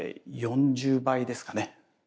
４０倍ですかね。